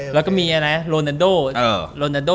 แล้วก็มีอันนั้นโรนาโด